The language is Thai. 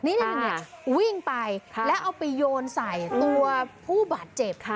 นี่วิ่งไปแล้วเอาไปโยนใส่ตัวผู้บาดเจ็บค่ะ